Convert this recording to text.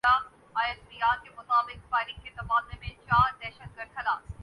پیشیاں بھگتنی ہوں۔